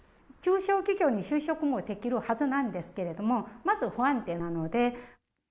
中小企業に就職もできるはずなんですけど、まず不安定なので。